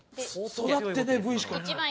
育っててＶしかない。